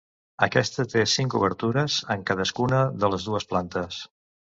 Aquesta té cinc obertures en cadascuna de les dues plantes.